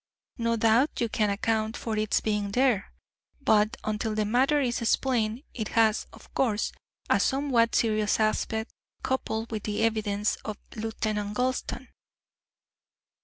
No doubt you can account for its being there, but until the matter is explained it has, of course, a somewhat serious aspect, coupled with the evidence of Lieutenant Gulston."